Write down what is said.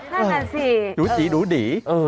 นั่นแหละสิดูสีดูดี